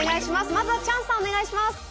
まずはチャンさんお願いします。